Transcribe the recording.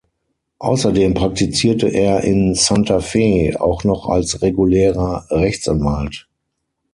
Außerdem praktizierte er in Santa Fe auch noch als regulärer Rechtsanwalt.